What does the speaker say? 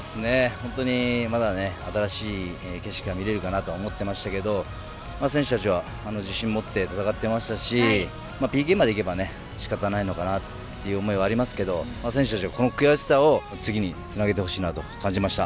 本当にまだね新しい景色が見れるかなと思ってましたけど選手たちは自信を持って戦ってましたしＰＫまでいけば仕方ないのかなっていう思いはありましたけど選手たちがこの悔しさを次につなげていけばと感じ